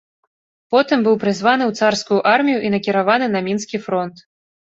Потым быў прызваны ў царскую армію і накіраваны на мінскі фронт.